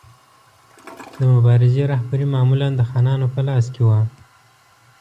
د مبارزې رهبري معمولا د خانانو په لاس کې وه.